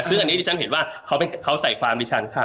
ซึ่งอันนี้ที่ฉันเห็นว่าเขาใส่ฟาร์มดิฉัน